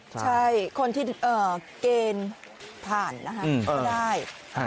ใช่คนที่เกณฑ์ผ่านนะคะก็ได้